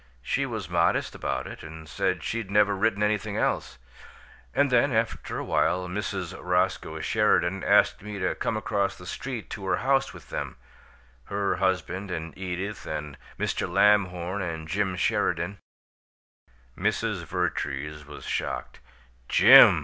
She was modest about it, and said she'd never written anything else. And then, after a while, Mrs. Roscoe Sheridan asked me to come across the street to her house with them her husband and Edith and Mr. Lamhorn and Jim Sheridan " Mrs. Vertrees was shocked. "'Jim'!"